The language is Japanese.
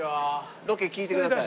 ロケ聞いてください。